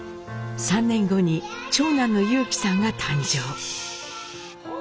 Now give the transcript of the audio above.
３年後に長男の裕基さんが誕生。